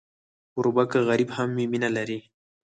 کوربه که غریب هم وي، مینه لري.